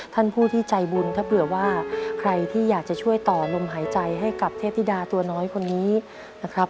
ท่านผู้ที่ใจบุญถ้าเผื่อว่าใครที่อยากจะช่วยต่อลมหายใจให้กับเทพธิดาตัวน้อยคนนี้นะครับ